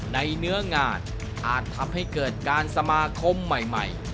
เนื้องานอาจทำให้เกิดการสมาคมใหม่